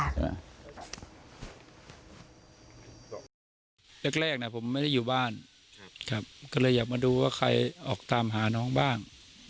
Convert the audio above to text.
แรกผมไม่ได้อยู่บ้านก็เลยอยากมาดูว่าใครออกตามหาน้องบ้าง